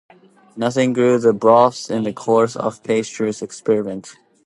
Nothing grew in the broths in the course of Pasteur's experiment.